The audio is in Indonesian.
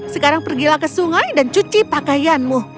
sekarang pergilah ke sungai dan cuci pakaianmu